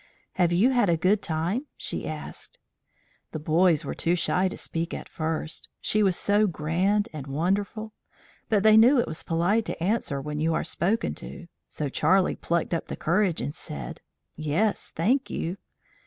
"Have you had a good time?" she asked. The boys were too shy to speak at first she was so grand and wonderful. But they knew it was polite to answer when you are spoken to, so Charlie plucked up courage and said: "Yes, thank you."